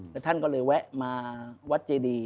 แล้วท่านก็เลยแวะมาวัดเจดี